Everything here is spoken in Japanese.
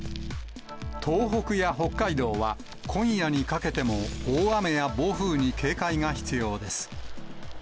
東北や北海道は、今夜にかけても大雨や暴風に警戒が必要です。